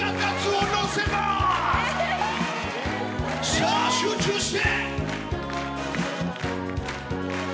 さあ集中して！